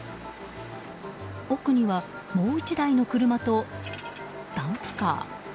奥には、もう１台の車とダンプカー。